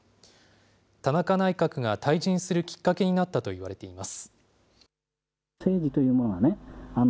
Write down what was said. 田中内閣が退陣するきっかけになったといわれています。